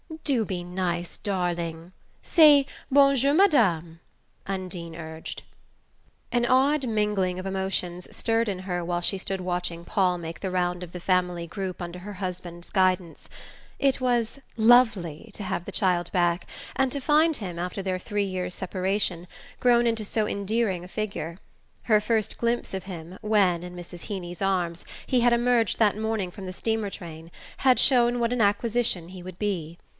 "Do be nice, darling! Say, 'bonjour, Madame,'" Undine urged. An odd mingling of emotions stirred in her while she stood watching Paul make the round of the family group under her husband's guidance. It was "lovely" to have the child back, and to find him, after their three years' separation, grown into so endearing a figure: her first glimpse of him when, in Mrs. Heeny's arms, he had emerged that morning from the steamer train, had shown what an acquisition he would be.